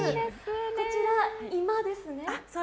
こちら居間ですね。